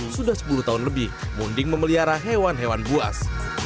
sudah sepuluh tahun lebih munding memelihara hewan hewan buas